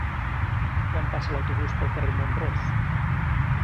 Quan passa l'autobús pel carrer Mont-ros?